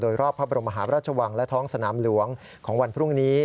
รอบพระบรมหาพระราชวังและท้องสนามหลวงของวันพรุ่งนี้